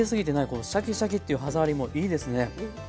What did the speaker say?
このシャキシャキっていう歯触りもいいですね！